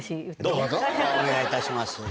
どうぞお願いいたします。